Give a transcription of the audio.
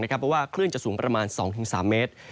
เพราะว่าคลื่นจะสูงประมาณ๒๓เมตร